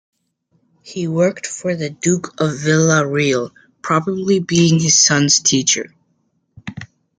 He worked for the Duke of Vila Real, probably being his sons' teacher.